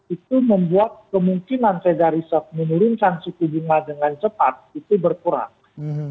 itu membuat kemungkinan fed dari soft menurunkan suku bunga dengan cepat itu berkurang